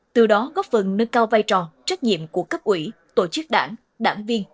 từ đó góp phần nâng cao vai trò trách nhiệm của cấp ủy tổ chức đảng đảng viên